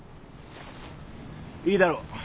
いいだろう。